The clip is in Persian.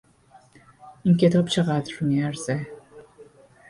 این کتاب چه قدر میارزه؟